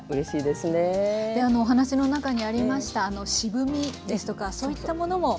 でお話の中にありました渋みですとかそういったものも。